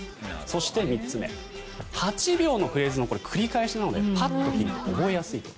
そして３つ目８秒のフレーズの繰り返しなのでパッと覚えやすいと。